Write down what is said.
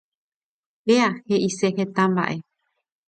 Péa he'ise heta mba'e.